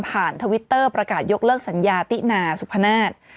ทวิตเตอร์ประกาศยกเลิกสัญญาตินาสุพนาศ